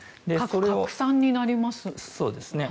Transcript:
核拡散になります。